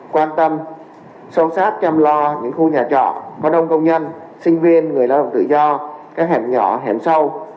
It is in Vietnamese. quan tâm sâu sát chăm lo những khu nhà trọ có đông công nhân sinh viên người lao động tự do các em nhỏ hẻm sâu